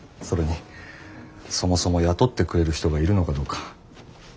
それにそもそも雇ってくれる人がいるのかどうか。